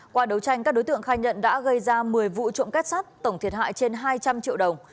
qua đấu tranh các đối tượng khai nhận đã gây ra một mươi vụ trộm kết sắt tổng thiệt hại trên hai trăm linh triệu đồng